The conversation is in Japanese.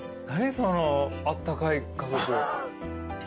そのあったかい家族。